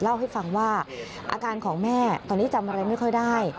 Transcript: เล่าให้ฟังว่าอาการของแม่ตอนนี้จำอะไรไม่ค่อยได้